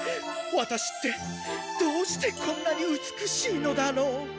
ワタシってどうしてこんなに美しいのだろう。